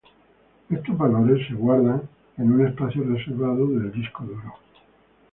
Estos valores son guardados en un espacio reservado del disco duro.